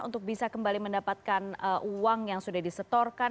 untuk bisa kembali mendapatkan uang yang sudah disetorkan